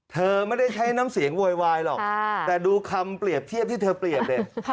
เธอไม่ได้ใช้น้ำเสียงโวยวายหรอกแต่ดูคำเปรียบเทียบที่เธอเปรียบเนี่ย